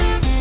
ya itu dia